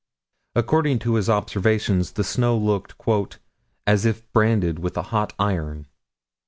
According to his observations the snow looked "as if branded with a hot iron."